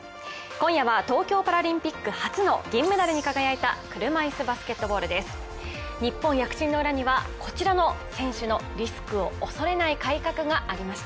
今夜は東京パラリンピック初の銀メダルに輝いた車いすバスケットボールです。